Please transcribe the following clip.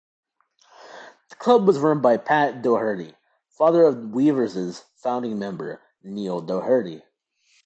The Club was run by Pat Doherty, father of Weavers' founding member Neil Doherty.